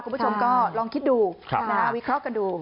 คุณผู้ชมก็ลองคิดดูวิเคราะห์กันดู